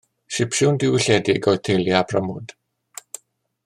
Sipsiwn diwylliedig oedd teulu Abram Wood.